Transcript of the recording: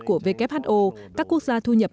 của who các quốc gia thu nhập